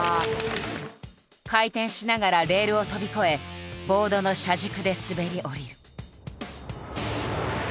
回転しながらレールを飛び越えボードの車軸で滑り降りる。